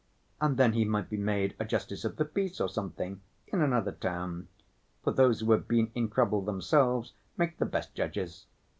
And then he might be made a justice of the peace or something in another town, for those who have been in trouble themselves make the best judges.